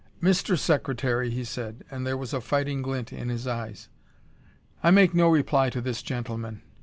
"Mr. Secretary," he said, and there was a fighting glint in his eyes, "I make no reply to this gentleman.